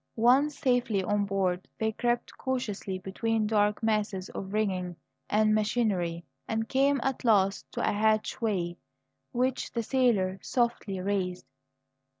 Once safely on board, they crept cautiously between dark masses of rigging and machinery, and came at last to a hatchway, which the sailor softly raised.